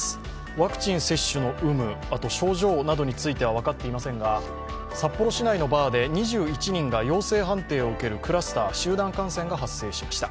ワクチン接種の有無、症状などについては分かっていませんが札幌市内のバーで２１人が陽性判定を受けるクラスター、集団感染が発生しました。